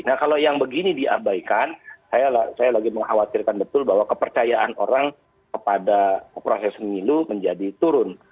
nah kalau yang begini diabaikan saya lagi mengkhawatirkan betul bahwa kepercayaan orang kepada proses pemilu menjadi turun